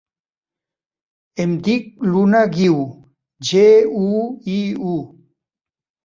Em dic Luna Guiu: ge, u, i, u.